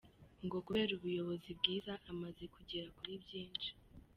Ngo kubera ubuyobozi bwiza amaze kugera kuri byinshi.